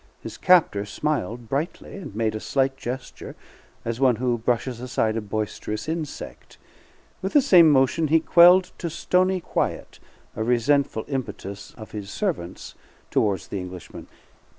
His captor smiled brightly, and made a slight gesture, as one who brushes aside a boisterous insect. With the same motion he quelled to stony quiet a resentful impetus of his servants toward the Englishman.